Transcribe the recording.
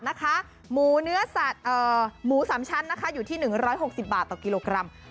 นะคะหมูเนื้อสัตว์เอ่อหมูสามชั้นนะคะอยู่ที่หนึ่งร้อยหกสิบบาทต่อกิโลกรัม